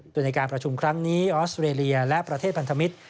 โดยในการประชุมครั้งนี้ออสเตรเลียและประเทศพันธมิตร